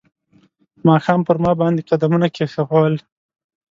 ماښام پر ما باندې قدمونه کښېښول